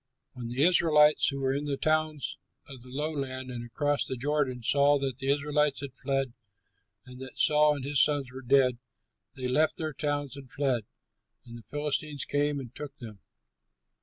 When the Israelites who were in the towns of the lowland and across the Jordan saw that the Israelites had fled and that Saul and his sons were dead, they left their towns and fled, and the Philistines came and took them.